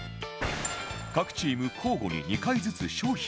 各チーム交互に２回ずつ商品を選び